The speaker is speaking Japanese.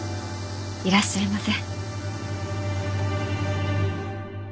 いらっしゃいませ。